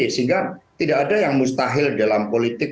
sehingga tidak ada yang mustahil dalam politik